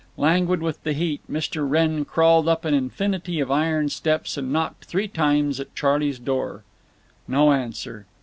Languid with the heat, Mr. Wrenn crawled up an infinity of iron steps and knocked three times at Charley's door. No answer.